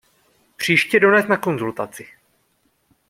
Příště dones na konzultaci.